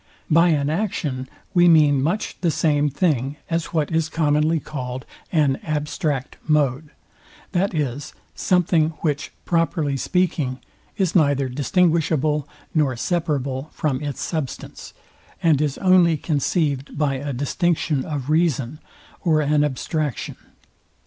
By an action we mean much the same thing, as what is commonly called an abstract mode; that is, something, which, properly speaking, is neither distinguishable, nor separable from its substance, and is only conceived by a distinction of reason, or an abstraction.